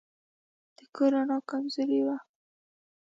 د کور رڼا کمزورې وه.